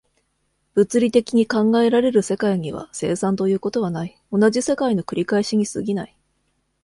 物理的に考えられる世界には、生産ということはない、同じ世界の繰り返しに過ぎない。